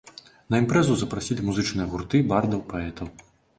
На імпрэзу запрасілі музычныя гурты, бардаў, паэтаў.